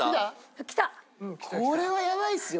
これはやばいですよ